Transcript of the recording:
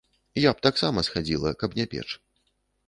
Я б таксама схадзіла, каб не печ.